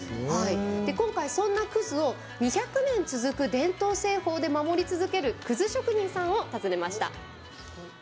今回そんな葛を２００年続く伝統製法で守り続ける葛職人さんを訪ねました。